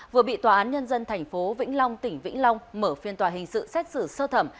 vừa bị tòa án nhân dân tp vĩnh long tỉnh vĩnh long mở phiên tòa hình sự xét xử sơ thẩm